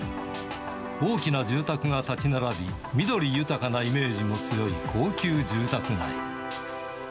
大きな住宅が建ち並び、緑豊かなイメージの強い高級住宅街。